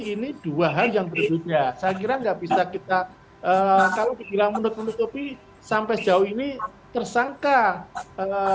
ini dua hal yang berbeda saya kira nggak bisa kita kalau dibilang menutupi sampai jauh ini tersangkaiknya